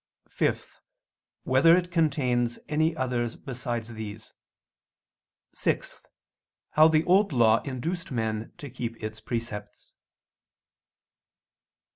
(5) Whether it contains any others besides these? (6) How the Old Law induced men to keep its precepts.